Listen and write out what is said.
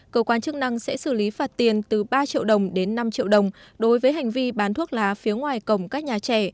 cơ quan chức năng sẽ xử lý phạt tiền từ ba triệu đồng đến năm triệu đồng đối với hành vi bán thuốc lá phía ngoài cổng các nhà trẻ